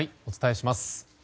お伝えします。